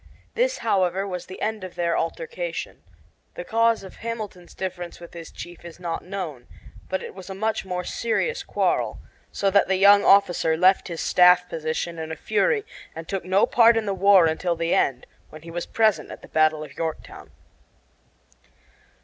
This, however, was the end of their altercation The cause of Hamilton's difference with his chief is not known, but it was a much more serious quarrel; so that the young officer left his staff position in a fury and took no part in the war until the end, when he was present at the battle of Yorktown.